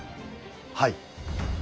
はい。